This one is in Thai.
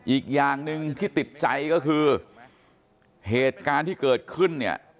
อีกอย่างหนึ่งที่ติดใจก็คือเหตุการณ์ที่เกิดขึ้นเนี่ย